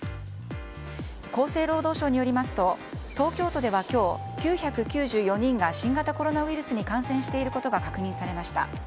厚生労働省によりますと東京都では今日９９４人が新型コロナウイルスに感染していることが確認されました。